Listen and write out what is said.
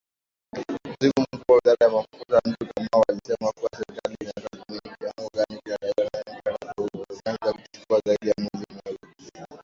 Katibu Mkuu wa Wizara ya Mafuta Andrew Kamau alisema kuwa serikali inatathmini kiwango gani kinadaiwa na mchakato huo unaweza kuchukua zaidi ya mwezi mmoja.